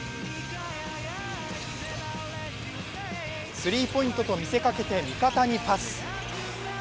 スリーポイントと見せかけて味方にパス。